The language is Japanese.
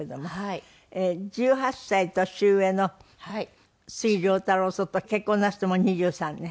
１８歳年上の杉良太郎さんと結婚なすってもう２３年？